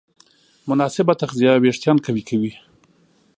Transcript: مناسب تغذیه وېښتيان قوي کوي.